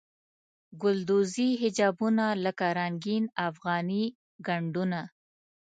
ګلدوزي حجابونه لکه رنګین افغاني ګنډونه.